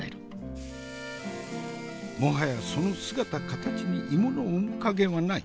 もはやその姿形に芋の面影はない。